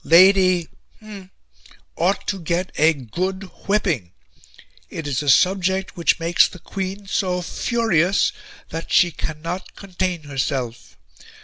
Lady ought to get a GOOD WHIPPING. It is a subject which makes the Queen so furious that she cannot contain herself.